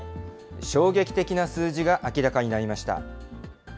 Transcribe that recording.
衝撃的な数字が明らかになりました。